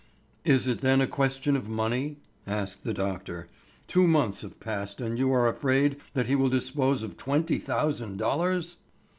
"Is it then a question of money?" asked the doctor. "Two months have passed and you are afraid that he will dispose of twenty thousand dollars!"